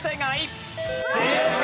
正解！